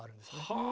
はあ。